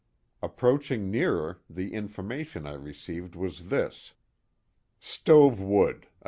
Ap proaching nearer, the information I received was this :" STovc wooD $1.